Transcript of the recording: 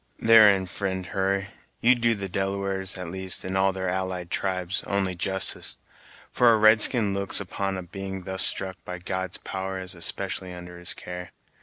"Therein, fri'nd Hurry, you do the Delawares, at least, and all their allied tribes, only justice, for a red skin looks upon a being thus struck by God's power as especially under his care.